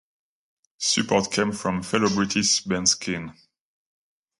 Support came from fellow British band Skin.